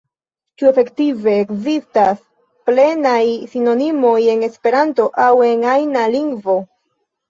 Ĉu efektive ekzistas plenaj sinonimoj en Esperanto aŭ en ajna lingvo?